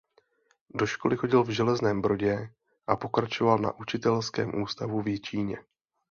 Do školy chodil v Železném Brodě a pokračoval na učitelském ústavu v Jičíně.